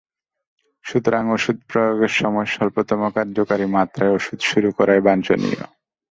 সুতরাং ওষুধ প্রয়োগের সময় স্বল্পতম কার্যকরী মাত্রায় ওষুধ শুরু করাই বাঞ্ছনীয়।